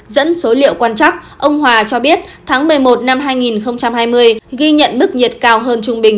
dẫn số liệu quan trắc ông hòa cho biết tháng một mươi một năm hai nghìn hai mươi ghi nhận mức nhiệt cao hơn trung bình